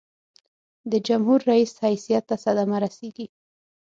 د جمهور رئیس حیثیت ته صدمه رسيږي.